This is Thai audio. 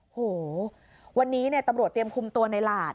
โหวันนี้เนี่ยตำรวจเตรียมคุมตัวในหลาด